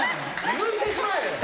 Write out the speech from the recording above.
抜いてしまえ！